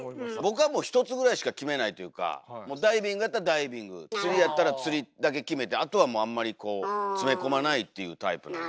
僕はもう１つぐらいしか決めないというかダイビングやったらダイビング釣りやったら釣りだけ決めてあとはもうあんまり詰め込まないっていうタイプなんで。